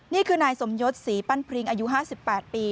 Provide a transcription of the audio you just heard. นี่คือนายสมยศศรีปั้นพริ้งอายุ๕๘ปี